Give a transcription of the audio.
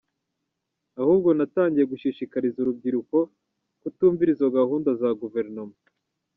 Ahubwo natangiye gushishikariza urubyiruko kutumvira izo gahunda za guverinoma.